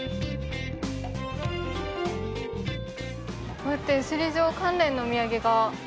こうやって首里城関連のお土産が。